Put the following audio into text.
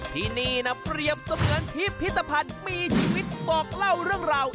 ที่นี่นะเปรียบเสมือนพิพิธภัณฑ์มีชีวิตบอกเล่าเรื่องราว